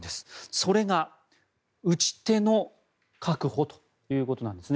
それが打ち手の確保ということなんですね。